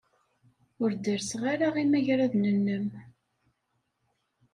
Ur derrseɣ ara imagraden-nnem.